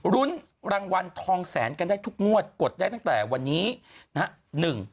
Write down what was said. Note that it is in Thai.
รุ้นรางวัลทองแสนกันได้ทุกงวดกดได้ตั้งแต่วันนี้นะฮะ